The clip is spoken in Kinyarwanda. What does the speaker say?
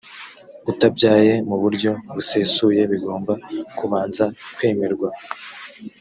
utabyaye mu buryo busesuye bigomba kubanza kwemerwa